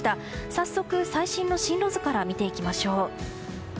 早速、最新の進路図から見ていきましょう。